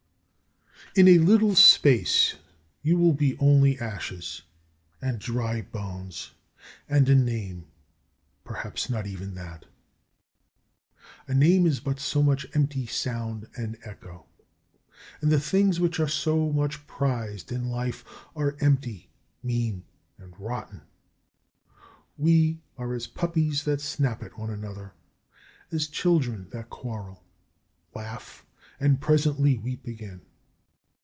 33. In a little space you will be only ashes and dry bones and a name, perhaps not even that. A name is but so much empty sound and echo, and the things which are so much prized in life are empty, mean, and rotten. We are as puppies that snap at one another, as children that quarrel, laugh, and presently weep again.